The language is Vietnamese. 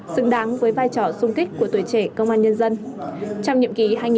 xứng đáng với vai trò sung kích của tuổi trẻ công an nhân dân